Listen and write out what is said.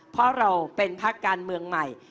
เพราะเราเป็นพักการเมืองใหม่